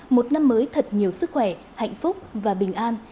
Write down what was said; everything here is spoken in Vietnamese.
một năm mới thật nhiều sức khỏe hạnh phúc và bình an